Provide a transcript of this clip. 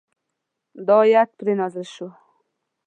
دا آیت پرې نازل شو.